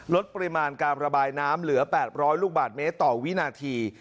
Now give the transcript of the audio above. ลดปริมาณการระบายน้ำเหลือ๘๐๐ลูกบาทเมตรต่อวินาที